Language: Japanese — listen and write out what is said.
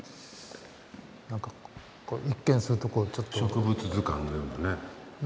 植物図鑑のようなね。